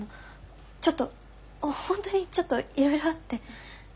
ちょっと本当にちょっといろいろあって。